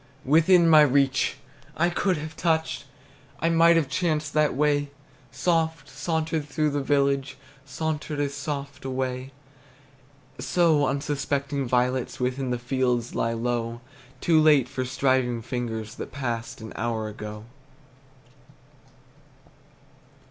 Within my reach! I could have touched! I might have chanced that way! Soft sauntered through the village, Sauntered as soft away! So unsuspected violets Within the fields lie low, Too late for striving fingers That passed, an hour ago.